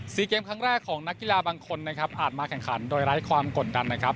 เกมครั้งแรกของนักกีฬาบางคนนะครับอาจมาแข่งขันโดยไร้ความกดดันนะครับ